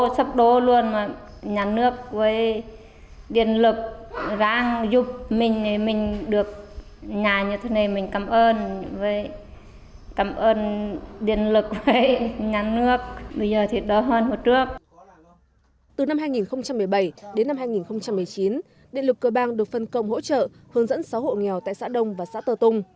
từ năm hai nghìn một mươi bảy đến năm hai nghìn một mươi chín điện lực cờ bang được phân công hỗ trợ hướng dẫn xã hộ nghèo tại xã đông và xã tờ tùng